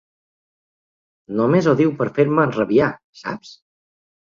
Només ho diu per fer-me enrabiar, saps?